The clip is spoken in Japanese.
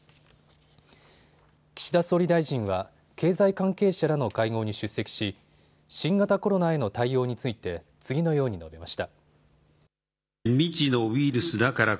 岸田総理大臣は経済関係者らの会合に出席し、新型コロナへの対応について次のように述べました。